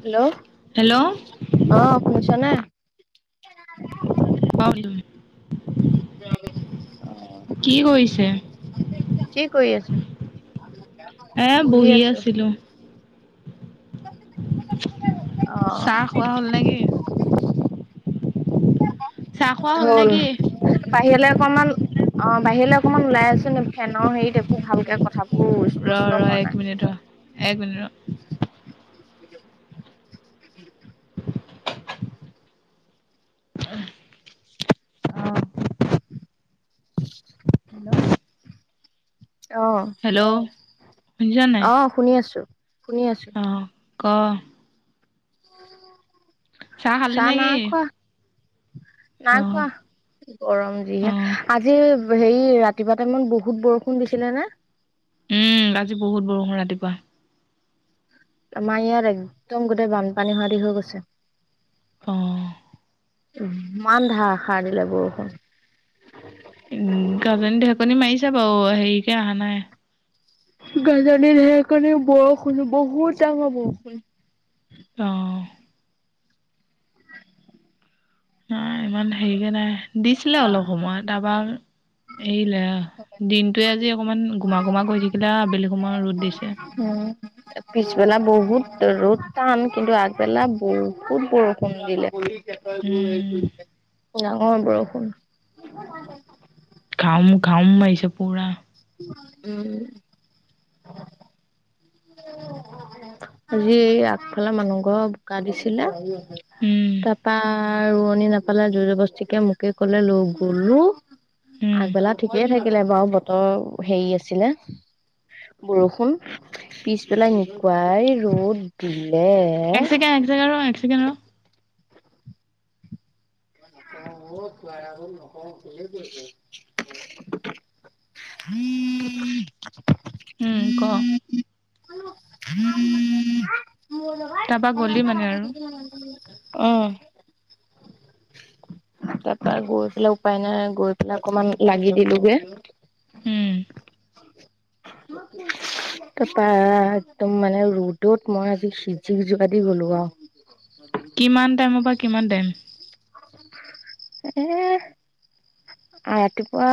Hello hello অ অ শুনিছা নে? [unintelligible] অ কি কৰিছে? কি কৰি আছ? এ বহি আছিলোঁ চাহ খোৱা হ'ল নেকি? চাহ খোৱা হ'ল নেকি? বাহিৰলে অকমান অ বাহিৰলে অকমান ওলাই আছোন ফেনৰ হেৰিত একো ভালকে কথাবোৰ ৰ ৰ স্পষ্ট হোৱা এক নাই। মিনিট ৰ এক মিনিট ৰ অ হেল্ল শুনিছ নাই? অ' শুনি আছোঁ, শুনি আছোঁ অ' ক [unintelligible] চাহ খালি নেকি? অ নাখোৱা গৰম অ যিহে আজি হেৰি ৰাতি পুৱা টাইমত বহুত বৰষুণ দিছিলে নে উম' আজি বহুত বৰষুণ ৰাতিপুৱা আমাৰ ইয়াত একদম গোটেই বানপানী হোৱা দি হৈ গৈছে অঁ উমমান ধাৰসাৰ দিলে বৰষুণ উম গাজনী ঢেকনি মাৰিছে বাৱ হেৰিকে অহা নাই গাজনি, ধেৰেকনি, বৰষুণ বহুত ডাঙৰ বৰষুণ অ মাই ইমান হেৰিকে নাই, দিছিলে অলপ সময় তাপা এৰিলে, দিনটোয়ে আজি অকনমান গোমা- গোমা কৰি থাকিলে আৱ আবেলি সময়ত ৰ'দ দিছে। উম পিছবেলা বহুত ৰ'দ টান কিন্তু আগবেলা বহুত বৰষুণ দিলে উম ডাঙৰ বৰষুণ খাওম খাওম মাৰিছে পূৰা উম আজি আগফালে মানুহ ঘৰ বোকা দিছিলে উম তাৰাপা ৰোৱনি নাপালে জোৰ জবস্তিকে মোকে কলে লগ গলোঁ। উম আগবেলা ঠিকেই থাকিলে বাও বতৰ সেই আছিলে। বৰষুণ পিছবেলাই একুৱাই ৰ'দ দিলে। এক ছেকেণ্ড এক ছেকেণ্ড ৰ এক ছেকেণ্ড ৰহ। [unintelligible] [inaudible] [inaudible] উম ক? তা পা গ'লি মানে আৰু। অ। তা পা গৈ পেলাই উপায় নাই গৈ পেলাই অকনমান লাগি দিলোগে। উম [inaudible] তা পা একদম মানে ৰ'দত মই আজি সিজি যোৱা দি গলো আও। [unintelligible] কিমান টাইমৰ পৰা কিমান টাইম? এ। আ ৰাতিপুৱা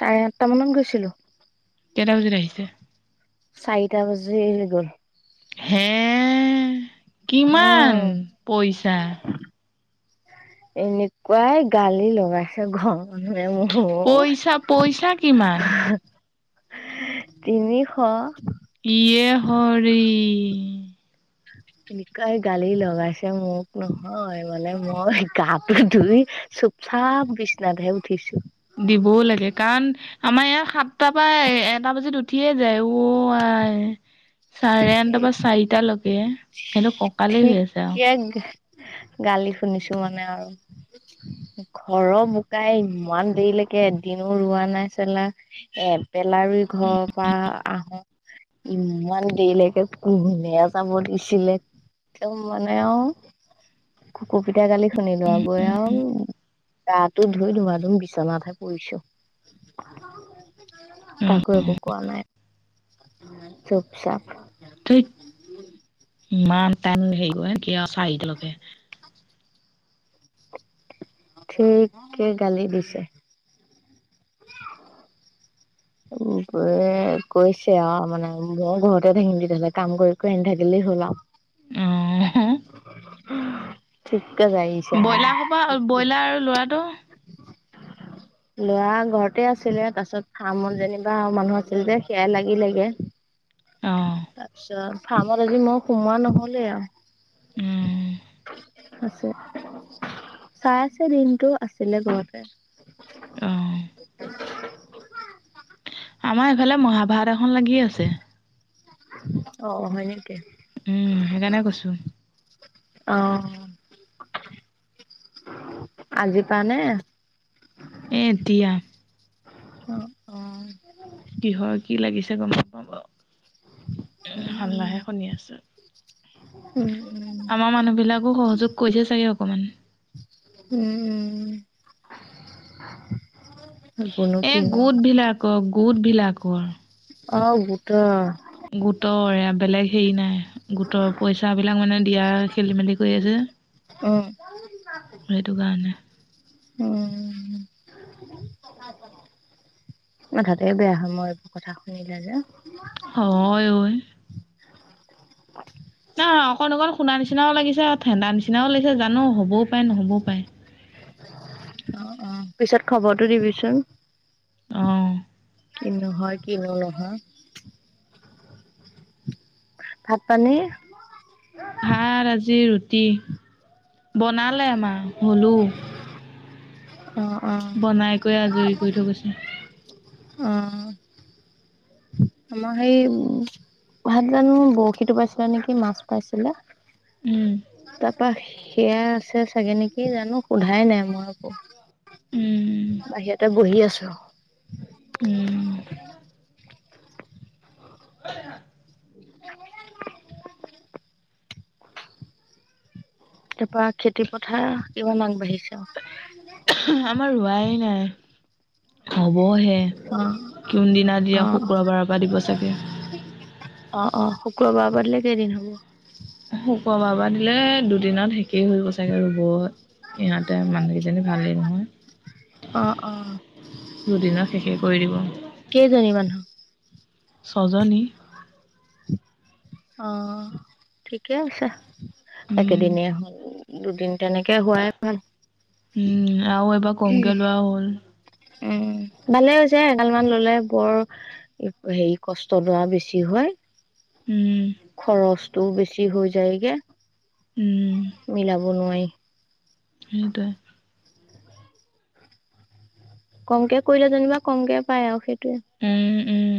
চাৰে আঠটা মানত গৈছিলো। কেইটা বজাত আহিছে। চাৰিটা বাজি গ'ল। হে কিমান উম পইচা? এনেকুৱাই গালি লগাইছে ঘ- পইচা পইচা কিমান [unintelligible] তিনিশ। ইয়ে হৰি। [inaudible] মিতকুৱাই গালি লগাইছে মোক নহয় মানে মই গাটো ধুই চুপ- চাব বিচনাহে উঠিছো। দিবও লাগে কাৰণ আমাৰ ইয়াত সাতটা পা এটা বাজিত উঠিয়ে যায়, অ আই। চাৰে আনটা এই বা চাৰিটালৈকে সেহটো ককালে বিষাইছে আও। এক গেহ গালি শুনিছো মানে আৰু। ঘৰৰ বোকাই ইমান দেৰিলৈকে এদিনো ৰোৱা নাই চালা এবেলা ৰুই ঘৰৰ পৰা আহো ইমান দেৰিলৈকে কোনে যাব দিছিলে। তম মানে আও। কুকুপিতাই গালি শুনিলো আও গৈ আও। গাটো ধুই ধুমা ধুম বিচনাতহে পৰিছো। উম কাকো একো কোৱা নাই চুপ-চাপ। ধেৎ ইমান টান সেই কৰে নেকি আ চাৰিটালৈকে। ঠিক কে গালি দিছে। [unintelligible] [unintelligible] কৈছে আও মানে মই ঘৰতে থাকিম তেতিয়া হ'লে কাম কৰি কৈ নাথাকিলে হ'ল আও অ ঠিক কে যাই- ব্ৰইলা হ'বা আও ব্ৰইলাৰ ল'ৰাটো লৰা ঘৰতে আছিলে তাছত থামল যেনিবা মানুহ আছিল যে সেয়াই লাগি লেগে তা অ পিছত ফাৰ্মত আজি মই সোমোৱা নহলে আও উম আছে চাই আছে দিনতো আছিলে ঘৰতে অ [unintelligible] আমাৰ এইফালে মহাভাৰত এখন লাগি আছে অ' হয় নেকি উম সেইকাৰণে কৈছো অ' আজিপা নে এতিয়া অ অ কিহৰ কি লাগিছে গম নাপাও বাৰু উম হাল্লা হে শুনি আছো উম উম আমাৰ মানুহ বিলাক মোক সহযোগ কৰিছে চাগে অকণমান উম বোলো এ কিনো গোট ভিলাকৰ গোট ভিলাকৰ অহ গোটৰ গোটৰ এয়া বেলেগ হেৰি নাই গোটৰ পইচা বিলাক মানে দিয়া খেলি মেলি কৰি আছে উম সেইটো কাৰণে উম মাথাটোৱে বেয়া হয় মোৰ এইবোৰ কথা শুনিলে যে নহয় ঐ অ অকণ অকণ শুনা নিচিনাও লাগিছে ঠাণ্ডা নিচিনাও লাগিছে জানো হ'বও পাৰে নহবও পাৰে অ অ পিছত খবৰতো দিবিচোন অ কিনো হয় কিনো নহয় ভাত পানী ভাত আজি ৰুটি বনালে মা হলো অ অ বনাই কৈ আজৰি কৰি থৈ গৈছে অ আমাৰ সেই উ ভাত জানো বৰশীটো পাইছিলে নেকি মাছ পাইছিলে উম তাৰাপা সেয়া আছে চাগে নেকি জানো সোধাই নাই মই আকৌ উম বাহিৰতে বহি আছো উম অ দেহা তাৰপা খেতি পথাৰ কিমান আগবাঢ়িছে আও আমাৰ ৰোৱাই নাই হবহে কোন দিনা দিয়ে অ', অ', শুক্ৰবাৰৰ পৰা দিব চাগে অ অ শুক্ৰবাৰৰ পৰা দিলে কেইদিন হব শুক্ৰবাৰৰ পৰা দিলে দুদিনত শেষেই হব চাগে ৰুব ইহঁতে মানুহকেইজনী ভালেই নহয় অ', অ'। দুদিনত শেষে কৰি দিব কেইজনী মানুহ ছজনী অ ঠিকে আছে উম একেদিনে হল দুদিন তেনেকে হোৱাই ভাল আও এইবাৰ কমকে লোৱাও হ'ল উম ভালে হৈছে এগাল মান ললে বৰ হেৰি কষ্ট দৰা বেছি হয়। উম। খৰচটো বেছি হৈ যায়গে, উম মিলাব নোৱাৰি। সেইটোৱে। কমকে কৰিলে যেনিবা কমকে পায় আও সেইটোৱে। উম উম।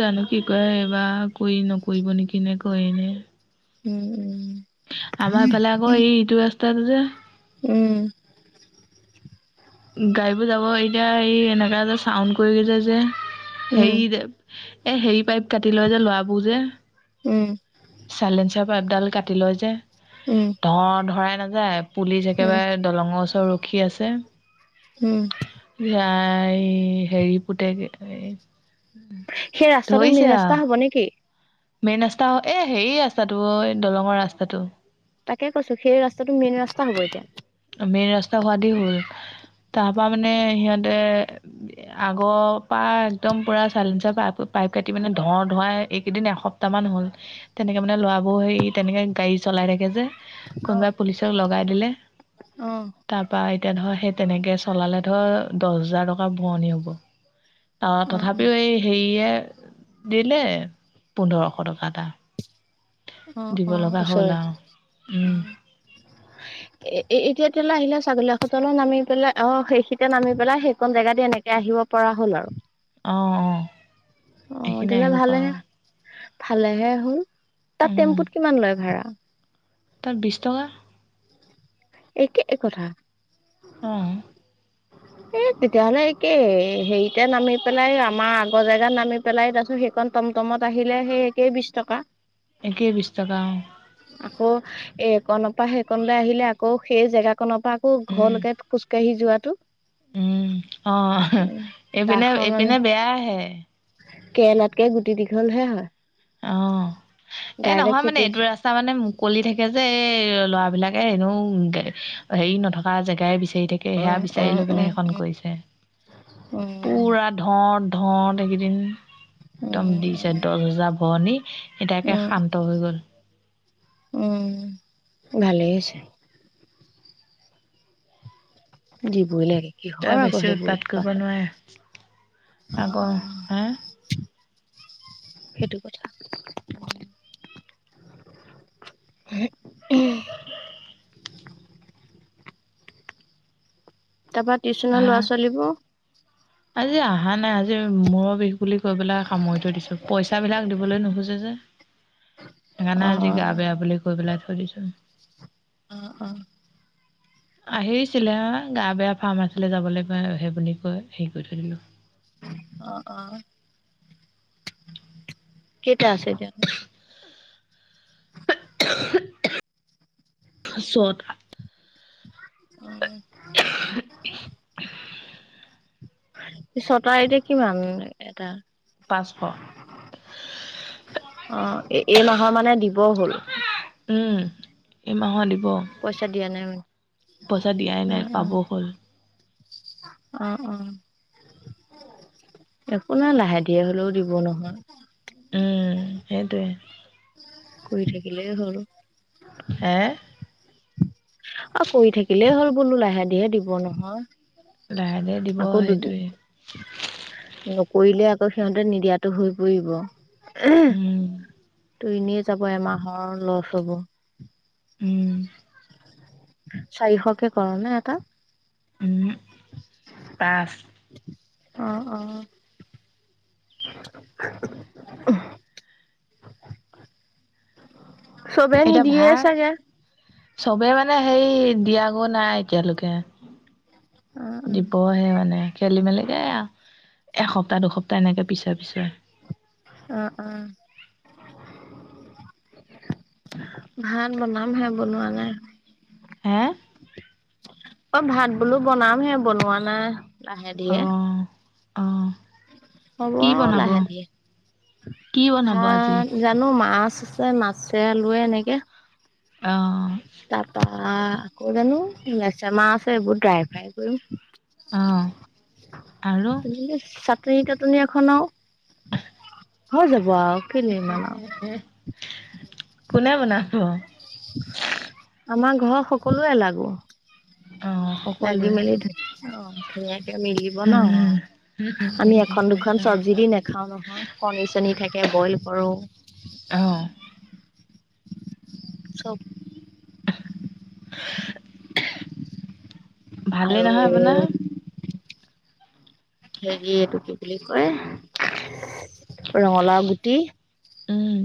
জানো কি কয় এইবাৰ কৰি নকৰিব নেকি নে কয়ে নে? উম। আমাৰফালে আকৌ এই এইটো ৰাস্তাতো যে উম। গাড়ীবোৰ যাব এতিয়া এই এনেকা এটা চাউণ্ড কৰি গৈছে যে উম হেৰি যে এ হেৰি পাইপ কাটি লয় যে লৰাবোৰ যে। উম। চাইলেঞ্চাৰ পাইপডাল কাটি লয় যে। উম। ধ ধৰাই নাযায় পুলিচ উম উম একেবাৰে দলং ওচৰত ৰখি আছে। উম। এইয়া এই হেৰি পুতেকে সেই ৰাস্তাটো মেইন ৰাস্তা হব নেকি? মেইন ৰাস্তা এ হেৰি ৰাস্তাটো অ এ দলঙৰ ৰাস্তাটো। তাকে কৈছো সেই ৰাস্তাটো মেইন ৰাস্তা হ'ব এতিয়া। মেইন ৰাস্তা সোৱাদি হ'ল, তাৰপৰা মানে সিহঁতে আগৰ পৰা একদম পুৰা চাইলেঞ্চাৰ পাইপ পাইপ কাটিপিনে ধ ধৱাই এইকেইদিন এশ এসপ্তাহমান হ'ল তেনেকে মানে ল'ৰাবোৰ সেই তেনেকে গাড়ী চলাই থাকে যে। অ কোনোবাই পুলিচক লগাই দিলে। অ তাৰপৰা এতিয়া ধৰ সেই তেনেকে চলালে ধৰ দছ হাজাৰ টকা ভৰণী হ'ব। অ তথাপিও এই হেৰিয়ে দিলে পোন্ধৰশ টকা এটা অ দিব অ', লগা হ'ল ওচৰৰে আও উম। [inaudible] এ এতিয়া এতিয়ালে আহিলে ছাগলীয়া হোটেলত নামি পেলাই অ সেইখিতে নামি পেলাই সেইকণ জেগা দি এনেকে আহিব পৰা হ'ল আৰু। অঁ অঁ। অ তেলে ভালেহে, ভালেহে হল, তাত উম টেম্পুত কিমান লয় ভাড়া? তাত বিছ টকা। এই কে এ কথা। অঁ। [inaudible] এই তেতিয়াহলে একেই হেৰিতে নামি পেলাই আমাৰ আগৰ জেগাত নামি পেলাই তাৰপিছত সেইকণ টমটমত আহিলে সেই একেই বিছ টকা। একেই বিছ টকা অঁ। আকৌ এইকনৰ পৰা সেইকনলে আহিলে আকৌ সেই জেগাত কনৰ পৰা আকৌ উম ঘৰলেকে খোজকাঢ়ি যোৱাটো। উম অহ এ এইপিনে এইপিনে বেয়াহে। কেনাতকে গুটি দীঘল হে হয়। অঁ এ ডাইৰেক্ট নহয় মানে খেতি এইটো ৰা তা মানে মুকলি থাকে যে এই ল'ৰাবিলাকে এনেও হেৰি নথকা জেগাই বিচাৰি থাকে। সেয়া উম বিচাৰি উম লৈ পেলাই উম সেইখন কৰিছে উম পোৰাত। ধত ধত এইকেইদিন একদম দিছে উম দহ হেজাৰ ভৰণী। এটাকে শান্ত হৈ গ'ল। উমঁ ভালেই আছে। দিবই লাগে। তই কিহৰ আকৌ বেছি সেইবোৰ কৰিব উৎপাত নোৱাৰে অঁ আকৌ অঁ। হা সেইটো কথা। হেত ওম। তাৰ পৰা টিউশ্যনৰ ভা ল'ৰা ছোৱালীবোৰ। আজি আহা নাই আজি মুৰৰ বিষ। বুলি কৈ পেলাই সামৰি থৈ দিছো পইচা বিলাক দিবলৈ নোখোজে যে। সেইকাৰণে আজি অ গা বেয়া বুলি কৈ পেলাই থৈ দিছোঁ। অঁ অঁ। আহিছিলে গা বেয়া ফাৰ্মাচীলৈ যাবলৈ কৈ সেবুলি কৈ হেৰি কৰি থৈ দিলো। অঁ অঁ। কেইটা আছে এতিয়া। চ'তা। উমঁ উমঁ! ওমহহ ছতা এতিয়া কিমান এটা। পাঁচশ। অঁ এই মাহৰ মানে দিব হ'ল। ওম এমাহৰ দিব। পইচা দিয়া নাই মানে। পইচা দিয়াই নাই পাব হ'ল। অঁ অঁ! একো নাই লাহে ধীৰে হলেও দিব নহয়। উমঁ সেইটোৱে। কৰি থাকিলে হ'ল। হে। অঁ কৰি থাকিলেই হ'ল বোলো লাহে ধীৰে দিব লাহে ধীৰে দিব নহয়। আকৌ দুজ সেইটোৱে নকৰিলে আকৌ সিহঁতে নিদিয়াটো হৈ পৰিব উম আহো। তু এনেয়ে যাব এমাহৰ লছ হ'ব। উম চাৰিশকে কৰা নে এটা। উম পাঁচ। অঁ অঁ। আহো। এতিয়া ভাল চাগে। চবে মানে সেই দিয়াগো নাই এতিয়ালৈকে। অ', দীবহে মানে। খেলি মেলিকে এসপ্তাহ দুসপ্তাহ এনেকে পিছৰে পিছৰে। উমঁ উমঁ। ভাত বনামহে বনোৱা নাই। হে,,,,। অঁ ভাত বোলো বনাম হে বনোৱা নাই লাহে ধীয়ে। অঁ' হ'ব আৰু লাহে ধিয়ে কি বনাব আজি? ভাত জাত- নো মাছ আছে মাছে আলুৱে এনেকে। অঁ' তাপা আকৌ জানো লেছামা আছে এইবোৰ ড্ৰাই ফ্ৰাই কৰিম। অ', আৰু? তুমি নো চাত- টোনিয়াখন আৰু হৈ যাব আৰু কিনিলম আও। কোনে বনাব। আমা ঘৰৰ সকলোৱে লাগো। অ', লাগি সকলোৱে। মেলি ধু অঁ ধুনীয়াকে মিলিব ন অঁ'। আমি এখন দুখন চবজি দি নাখাও নহয় কণী চনি থাকে বইল কৰো। অঁহ'। চব- [inaudible] ভালেই আৰু নহয় আপোনাৰ? হেৰি এইটো কি বুলি কয় ৰঙালাও গুটি- উম।